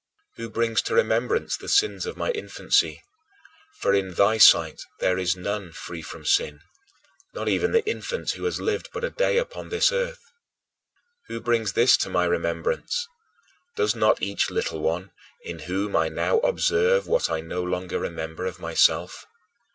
Who brings to remembrance the sins of my infancy? For in thy sight there is none free from sin, not even the infant who has lived but a day upon this earth. Who brings this to my remembrance? Does not each little one, in whom I now observe what I no longer remember of myself?